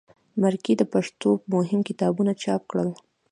مرکې د پښتو مهم کتابونه چاپ کړل.